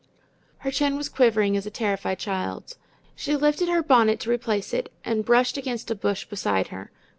Her chin was quivering as a terrified child's. She lifted her bonnet to replace it and brushed against a bush beside her.